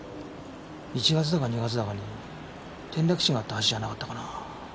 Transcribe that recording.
１月だか２月だかに転落死があった橋じゃなかったかな？